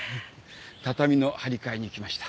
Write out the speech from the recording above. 畳の張り替えに来ました。